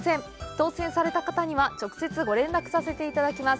当せんされた方には、直接ご連絡させていただきます。